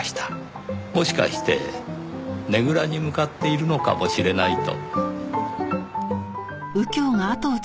もしかしてねぐらに向かっているのかもしれないと。